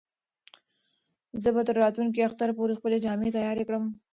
زه به تر راتلونکي اختر پورې خپلې جامې تیارې کړم.